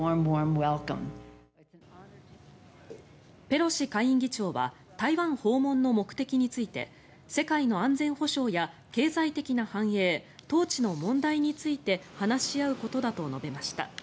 ペロシ下院議長は台湾訪問の目的について世界の安全保障や経済的な繁栄統治の問題について話し合うことだと述べました。